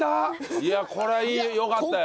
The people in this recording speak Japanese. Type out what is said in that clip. いやこれはよかったよ。